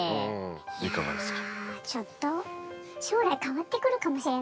いかがですか？